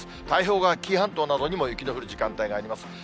太平洋側、紀伊半島などにも雪の降る時間帯があります。